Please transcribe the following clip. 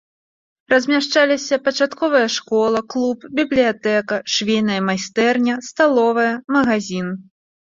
Размяшчаліся пачатковая школа, клуб, бібліятэка, швейная майстэрня, сталовая, магазін.